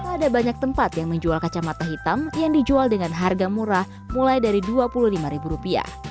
ada banyak tempat yang menjual kacamata hitam yang dijual dengan harga murah mulai dari rp dua puluh lima